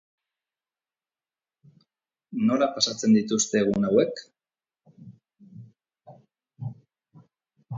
Nola pasatzen dituzte egun hauek?